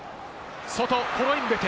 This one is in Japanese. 外、コロインベテ。